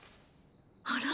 あら？